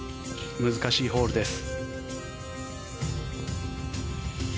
難しいホールです。